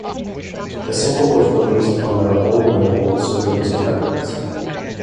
The single was released on their own label, Surrealist Records.